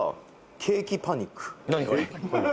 ケーキパニック。